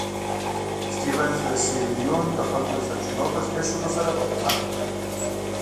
سټیونز د سیریلیون د خلکو د سرچینو په زبېښلو سره حکومت وکړ.